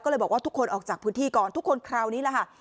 ก็เลยบอกว่าทุกคนออกจากพื้นที่ก่อนทุกคนคราวนี้แหละค่ะ